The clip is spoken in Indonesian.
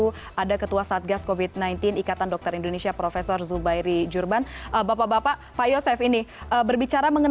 tetap bersama kami di cnn indonesia connected